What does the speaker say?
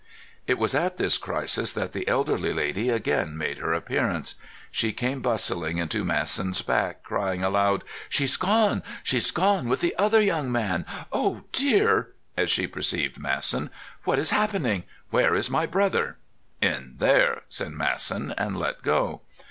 It was at this crisis that the elderly lady again made her appearance. She came bustling into Masson's back, crying aloud, "She's gone! She's gone with the other young man! Oh, dear" (as she perceived Masson), "what is happening? Where is my brother?" "In there," said Masson, and let go.